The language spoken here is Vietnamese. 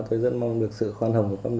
tôi vẫn mong được sự khoan hồng của cấp một